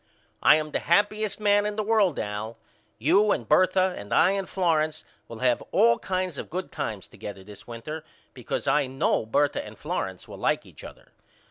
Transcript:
I am the happyest man in the world Al. You and Bertha and I and Florence will have all kinds of good times together this winter because I know Bertha and Florence will like each other.